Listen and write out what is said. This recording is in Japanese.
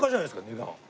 値段。